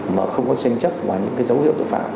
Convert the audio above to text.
mà không có tranh chấp ngoài những dấu hiệu tội phạm